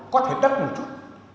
có thể đắt một chút